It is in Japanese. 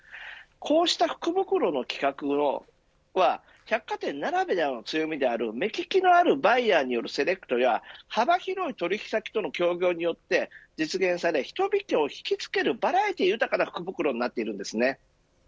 こうした福袋の企画は百貨店ならではの強みである目利きのあるバイヤーによるセレクトや幅広い取引先との協業によって実現され人々を引きつけるバラエティー豊かな福袋になっているんです。